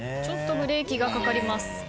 ちょっとブレーキがかかります。